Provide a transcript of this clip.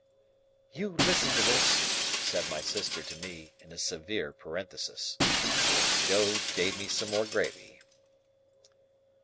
("You listen to this," said my sister to me, in a severe parenthesis.) Joe gave me some more gravy.